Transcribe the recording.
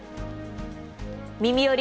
「みみより！